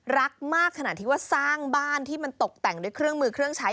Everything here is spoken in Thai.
รักมากขนาดที่ว่าสร้างบ้านที่มันตกแต่งด้วยเครื่องมือเครื่องใช้